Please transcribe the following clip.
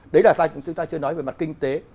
đấy là chúng ta chưa nói về mặt kinh tế